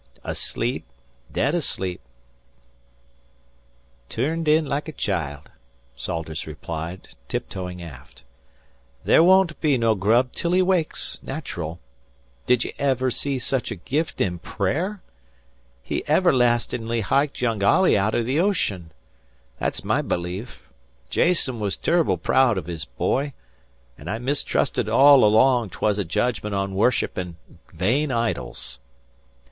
"Asleep dead asleep. Turned in like a child," Salters replied, tiptoeing aft. "There won't be no grub till he wakes, natural. Did ye ever see sech a gift in prayer? He everlastin'ly hiked young Olley outer the ocean. Thet's my belief. Jason was tur'ble praoud of his boy, an' I mistrusted all along 'twas a jedgment on worshippin' vain idols."